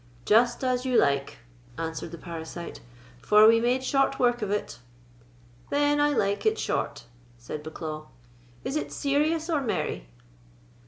"Just as you like," answered the parasite, "for we made short work of it." "Then I like it short," said Bucklaw. "Is it serious or merry?"